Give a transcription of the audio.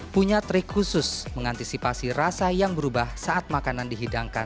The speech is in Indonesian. punya trik khusus mengantisipasi rasa yang berubah saat makanan dihidangkan